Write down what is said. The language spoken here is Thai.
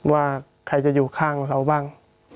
ว่าใครจะอยู่ข้างเราบ้าง